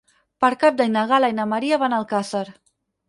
Per Cap d'Any na Gal·la i na Maria van a Alcàsser.